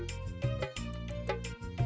mas rangga mau bantu